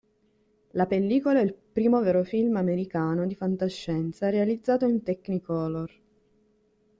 La pellicola è il primo vero film americano di fantascienza realizzato in Technicolor.